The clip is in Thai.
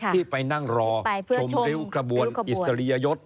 ที่ไปนั่งรอชมริ้วกระบวนอิสริยยศ